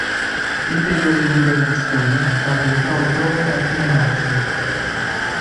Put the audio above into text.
Il periodo di ibernazione va da metà ottobre a fine marzo.